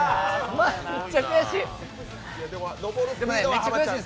めっちゃ悔しい！